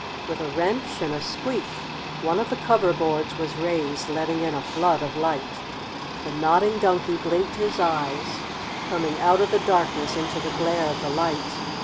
With a wrench and a squeak one of the cover boards was raised, letting in a flood of light. The Nodding Donkey blinked his eyes, coming out of the darkness into the glare of the light.